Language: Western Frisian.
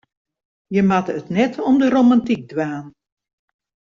Je moatte it net om de romantyk dwaan.